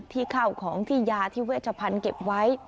ที่เข้าของที่ยาที่เวชภัณฑ์เก็บไว้